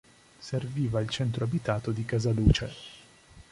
Serviva il centro abitato di Casaluce.